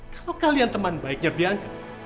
kalau kalian teman baiknya biangkan